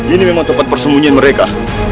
ini memang tempat persembunyian mereka